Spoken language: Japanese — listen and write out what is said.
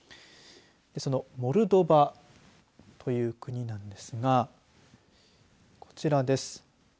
そのモルドバという国なんですがこちらです。